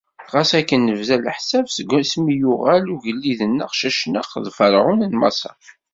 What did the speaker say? ɣas akken nebda leḥsab segmi yuɣal ugellid-nneɣ Cacnaq d Ferɛun n Maṣer.